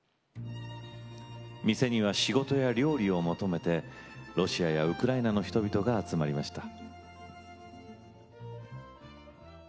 店には仕事や料理を求めてロシアやウクライナの人々が集まりました。